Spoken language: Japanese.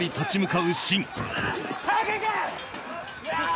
早く行け！